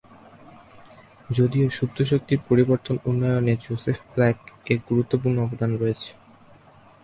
যদিও সুপ্ত শক্তির পরিবর্তন উন্নয়নে জোসেফ ব্ল্যাক এর গুরুত্বপূর্ণ অবদান রয়েছে।